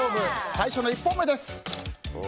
最初の１本目です。